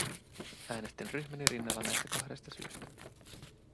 Äänestin ryhmäni rinnalla näistä kahdesta syystä.